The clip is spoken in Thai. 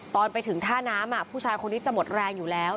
ตอนไปถึงท่าน้ำผู้ชายคนนี้จะหมดแรงอยู่แล้ว